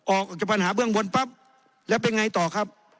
ออกจากปัญหาเบื้องบนปั๊บแล้วเป็นไงต่อครับ